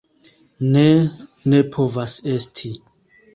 Ne, ne povas esti!